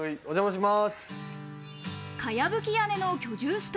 お邪魔します。